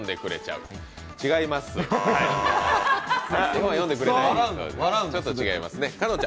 違います、ちょっと違いますね。